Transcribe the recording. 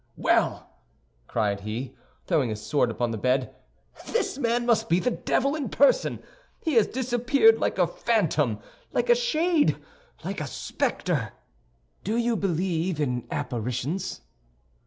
"Well!" cried he, throwing his sword upon the bed, "this man must be the devil in person; he has disappeared like a phantom, like a shade, like a specter." "Do you believe in apparitions?"